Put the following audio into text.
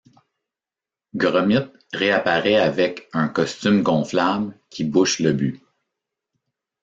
Gromit réapparaît avec un costume gonflable qui bouche le but.